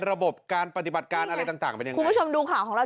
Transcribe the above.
ระบบการปฏิบัติการอะไรต่างเป็นยังไงคุณผู้ชมดูข่าวของเรา